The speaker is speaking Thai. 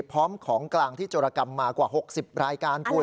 พร้อมของกลางที่โจรกรรมมากว่า๖๐รายการคุณ